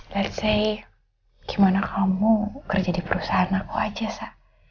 let's say gimana kamu kerja di perusahaan aku aja sa